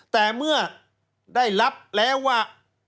แต่เมื่อได้รับแล้วว่า